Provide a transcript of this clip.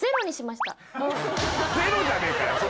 ゼロじゃねえかよ！